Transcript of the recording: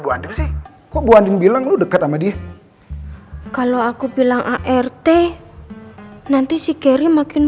buanding sih buanding bilang lo dekat sama dia kalau aku bilang rt nanti si geri makin